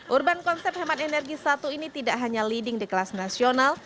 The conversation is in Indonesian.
urban konsep hemat energi satu ini tidak hanya leading di kelas nasional